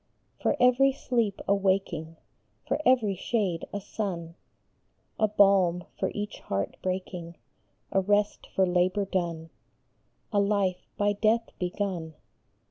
For every sleep a waking, For every shade a sun, A balm for each heart breaking, A rest for labor done, A life by death begun ; 38 COMFORTED.